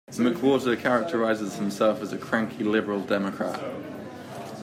McWhorter characterizes himself as "a cranky liberal Democrat".